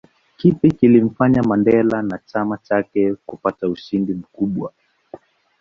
Kipi kilimfanya Mandela na chama chake kupata ushindi mkubwa